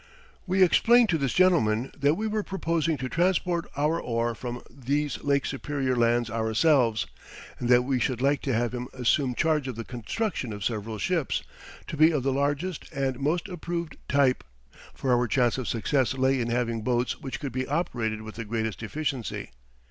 We explained to this gentleman that we were proposing to transport our ore from these Lake Superior lands ourselves, and that we should like to have him assume charge of the construction of several ships, to be of the largest and most approved type, for our chance of success lay in having boats which could be operated with the greatest efficiency.